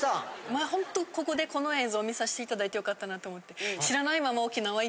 まあホントここでこの映像見せて頂いて良かったなと思って。